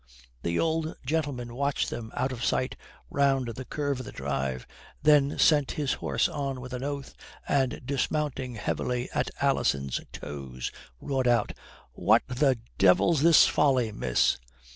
The old gentleman watched them out of sight round the curve of the drive, then sent his horse on with an oath and, dismounting heavily at Alison's toes, roared out: "What the devil's this folly, miss?"